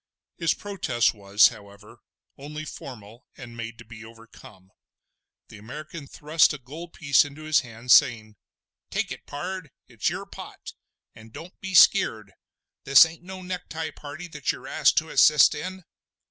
His protest was, however, only formal and made to be overcome. The American thrust a gold piece into his hand, saying: "Take it, pard! it's your pot; and don't be skeer'd. This ain't no necktie party that you're asked to assist in!"